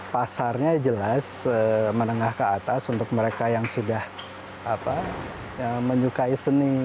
pasarnya jelas menengah ke atas untuk mereka yang sudah menyukai seni